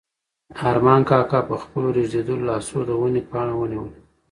ارمان کاکا په خپلو رېږدېدلو لاسو د ونې پاڼه ونیوله.